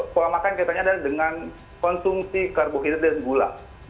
pola makan kita ada dengan konsumsi karbohidrat dan gula